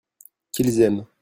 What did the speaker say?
qu'ils aiment.